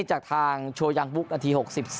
จากทางโชยังบุ๊กนาที๖๒